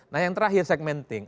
nah yang terakhir segmenting